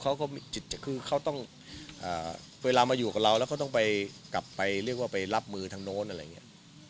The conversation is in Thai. เขาก็มีจิตคือเขาต้องเวลามาอยู่กับเราแล้วเขาต้องไปกลับไปเรียกว่าไปรับมือทางโน้นอะไรอย่างนี้